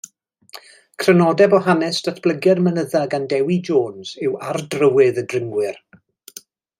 Crynodeb o hanes datblygiad mynydda gan Dewi Jones yw Ar Drywydd y Dringwyr.